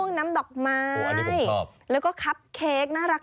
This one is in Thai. ครับอ่ออันนี้ผมชอบแล้วก็คัพเกกน่ารัก